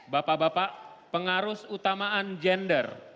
bapak bapak pengarus utamaan gender